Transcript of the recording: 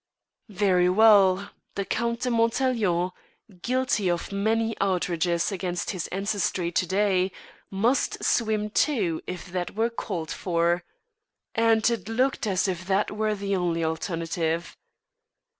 Very well; the Count de Montaiglon, guilty of many outrages against his ancestry to day, must swim too if that were called for. And it looked as if that were the only alternative.